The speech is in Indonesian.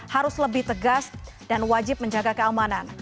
harus lebih tegas dan wajib menjaga keamanan